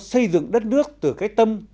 xây dựng đất nước từ cái tâm